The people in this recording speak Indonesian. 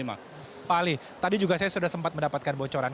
pak ali tadi juga saya sudah sempat mendapatkan bocoran